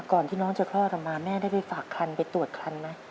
ก่อนที่น้องจะคลอดออกมาแม่ได้ไปฝากคันไปตรวจคลันไหม